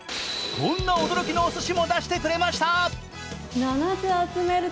こんな驚きのおすしも出してくれました。